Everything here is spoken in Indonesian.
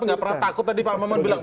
tidak perlu lagi dikhawatirkan